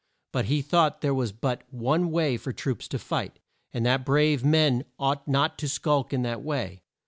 But he thought there was but one way for troops to fight, and that brave men ought not to skulk in that way.